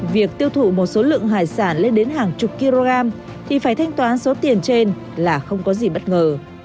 việc tiêu thụ một số lượng hải sản lên đến hàng chục kg thì phải thanh toán số tiền trên là không có gì bất ngờ